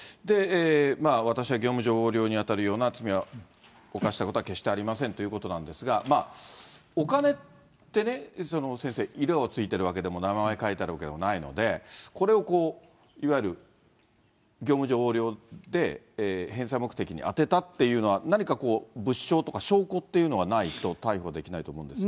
私は業務上横領に当たるような罪を犯したことは決してありませんということなんですが、お金ってね、先生、色が付いてるわけでも、名前が書いてあるわけでもないので、これをいわゆる、業務上横領で返済目的に充てたっていうのは、何かこう、物証とか証拠っていうのがないと、逮捕できないと思うんですが。